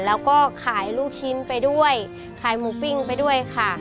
แล้วก็ขายลูกชิ้นไปด้วยขายหมูปิ้งไปด้วยค่ะ